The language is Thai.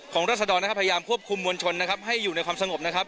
รัศดรนะครับพยายามควบคุมมวลชนนะครับให้อยู่ในความสงบนะครับ